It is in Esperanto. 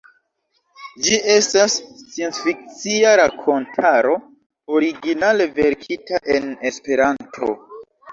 Ĝi estas sciencfikcia rakontaro originale verkita en Esperanto.